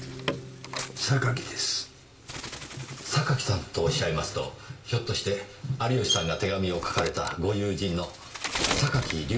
榊さんとおっしゃいますとひょっとして有吉さんが手紙を書かれたご友人の榊隆平さんでしょうか？